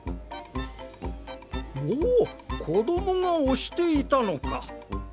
おおこどもがおしていたのか。